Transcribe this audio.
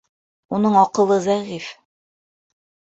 — Уның аҡылы зәғиф.